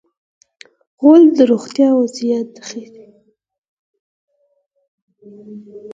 غول د روغتیا وضعیت ښيي.